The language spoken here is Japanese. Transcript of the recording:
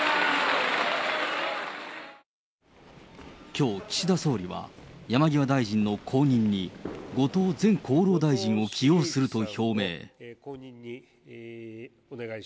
きょう、岸田総理は山際大臣の後任に後藤前厚労大臣を起用すると表明。